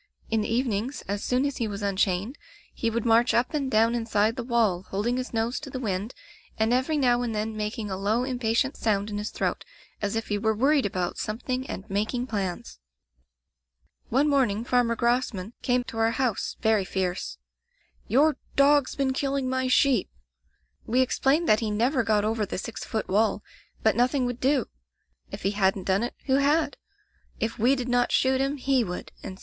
In the evenings, as soon as he was unchained, he would march up and down inside the wall, holding his nose to the wind and every now and then making a low im patient sound in his throat, as if he were wor ried about something and making plans. "One morning Farmer Grosman came to our house, very fierce: 'Your dog's been killing my sheep.' We explained that he never got over the six foot wall, but nothing would do. If he hadn't done it, who had ? If we did not shoot him, he would, and so on.